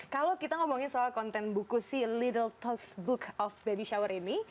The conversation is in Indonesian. kalau kita ngomongin soal konten buku si little talks book of baby shower ini